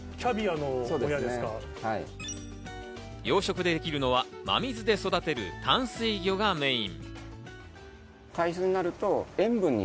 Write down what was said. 養殖でできるのは真水で育てる淡水魚がメイン。